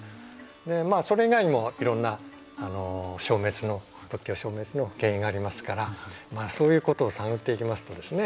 それ以外にもいろんな仏教消滅の原因がありますからそういうことを探っていきますとですね